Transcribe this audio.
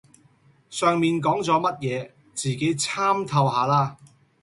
上面講左乜野,自己參透下啦